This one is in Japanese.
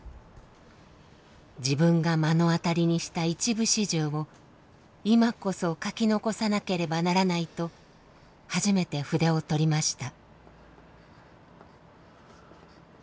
自分が目の当たりにした一部始終を今こそ書き残さなければならないと初めて筆を執りました。